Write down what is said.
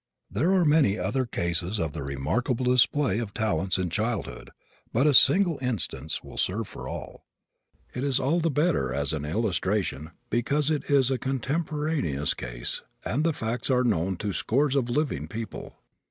There are many other cases of the remarkable display of talents in childhood, but a single instance will serve for all. It is all the better as an illustration because it is a contemporaneous case and the facts are known to scores of living people.